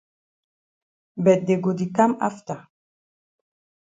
But dey go di kam afta.